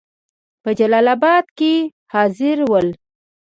په جلال آباد کې حاضر ول.